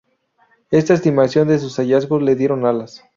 Esta estimación de sus hallazgos le dieron alas.